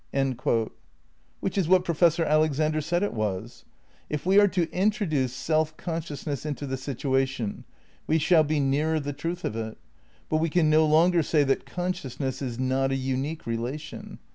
' Which is what Professor Alexander said it was ! If we are to introduce self consciousness into the situa tion, we shall be nearer the truth of it, but we can no longer say that consciousness is not a unique relation.